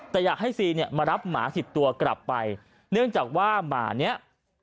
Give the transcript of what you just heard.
แต่อยากให้ซีเนี่ยมารับหมาสิบตัวกลับไปเนื่องจากว่าหมาเนี้ย